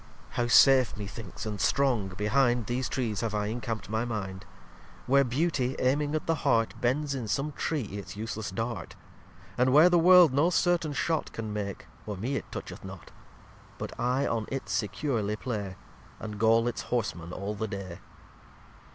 lxxvi How safe, methinks, and strong, behind These Trees have I incamp'd my Mind; Where Beauty, aiming at the Heart, Bends in some Tree its useless Dart; And where the World no certain Shot Can make, or me it toucheth not. But I on it securely play, And gaul its Horsemen all the Day.